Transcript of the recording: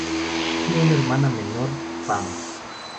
Tiene una hermana menor, Pam.